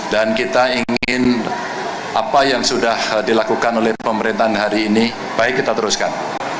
dan kita ingin apa yang sudah dilakukan oleh pemerintahan hari ini baik kita teruskan